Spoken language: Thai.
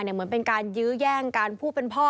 เหมือนเป็นการยื้อแย่งกันผู้เป็นพ่อ